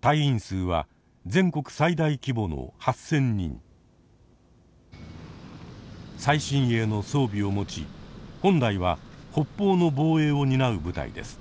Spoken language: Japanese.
隊員数は全国最大規模の最新鋭の装備を持ち本来は北方の防衛を担う部隊です。